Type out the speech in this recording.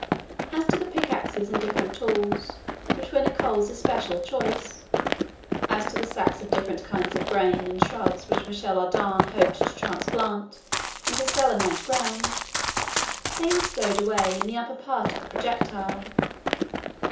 As to the pickaxes and different tools which were Nicholl's especial choice; as to the sacks of different kinds of grain and shrubs which Michel Ardan hoped to transplant into Selenite ground, they were stowed away in the upper part of the projectile.